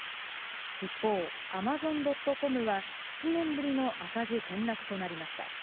一方、アマゾン・ドット・コムは、７年ぶりの赤字転落となりました。